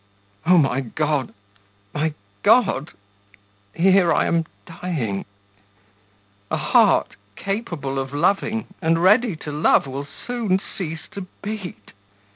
O my God, my God! Here I am dying.... A heart capable of loving and ready to love will soon cease to beat....